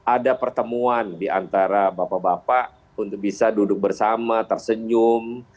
ada pertemuan diantara bapak bapak untuk bisa duduk bersama tersenyum